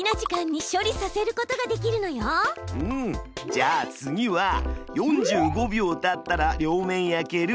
じゃあ次は「４５秒たったら両面焼ける。